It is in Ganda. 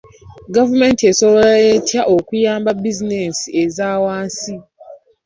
Gavumenti esobola etya okuyamba bizinensi ezawansi?